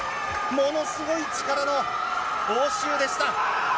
ものすごい力の応酬でした。